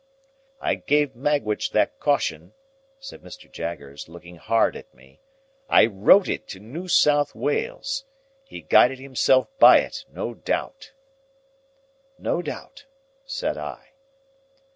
I gave Magwitch that caution," said Mr. Jaggers, looking hard at me; "I wrote it to New South Wales. He guided himself by it, no doubt." "No doubt," said I.